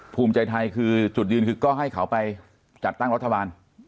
ภูมิใจไทยคือจุดยืนคือก็ให้เขาไปจัดตั้งรัฐบาล